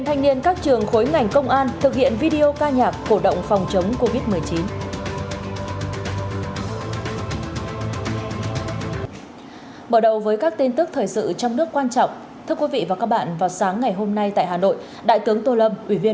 hãy đăng ký kênh để ủng hộ kênh của chúng mình nhé